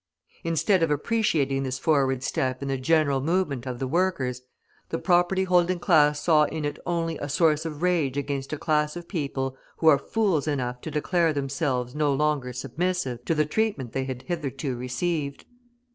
Instead of appreciating this forward step in the general movement of the workers, the property holding class saw in it only a source of rage against a class of people who are fools enough to declare themselves no longer submissive to the treatment they had hitherto received.